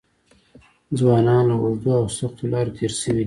ځوانان له اوږدو او سختو لارو تېر شوي دي.